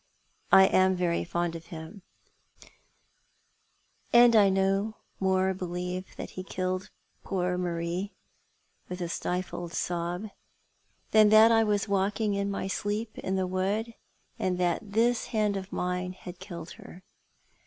" I am very fond of him, and I no more believe that he killed poor Marie "— with a stifled sob —" than that I was walking iu my sleep in the wood, and that this hand of mine killed her.